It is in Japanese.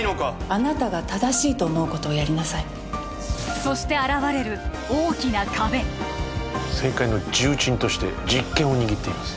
あなたが正しいと思うことをやりなさいそして現れる大きな壁政界の重鎮として実権を握っています